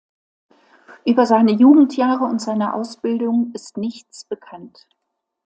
Über seine Jugendjahre und seine Ausbildung ist nichts bekannt.